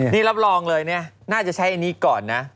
นี่รับรองเลยเนี่ยน่าจะใช้อันนี้ก่อนนะ